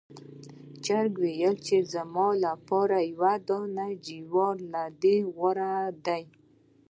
چرګ وویل چې زما لپاره یو دانې جوار له دې غوره دی.